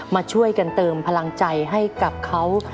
มาช่วยกันเติมพลังใจให้กับเขา